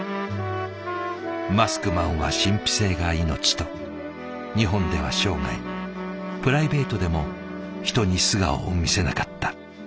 「マスクマンは神秘性が命」と日本では生涯プライベートでも人に素顔を見せなかった。